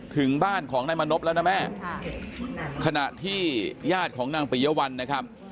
ถึงบ้านของนายมณพแล้วนะแม่ค่ะขณะที่ญาติของนางปิยวัลนะครับ